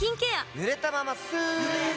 ぬれたままスッ！